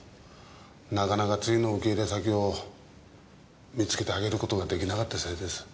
なかなか次の受け入れ先を見つけてあげることが出来なかったせいです。